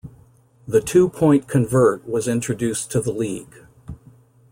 The two-point convert was introduced to the league.